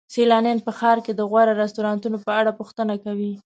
سیلانیان په ښار کې د غوره رستورانتونو په اړه پوښتنه کوي.